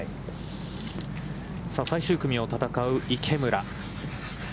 最終組を戦う池村。